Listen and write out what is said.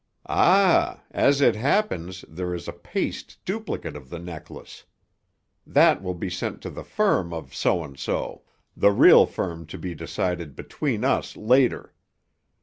"Ah! As it happens, there is a paste duplicate of the necklace. That will be sent to the firm of So & So—the real firm to be decided between us later.